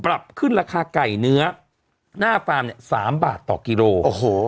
ปรับขึ้นราคาไก่เนื้อหน้าฟาร์มเนี่ย๓บาทต่อกิโลโอ้โห